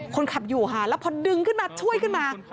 คนขับอยู่ค่ะแล้วพอดึงขึ้นมาช่วยขึ้นมา